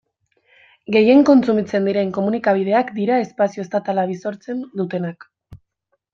Gehien kontsumitzen diren komunikabideak dira espazio estatala bisortzen dutenak.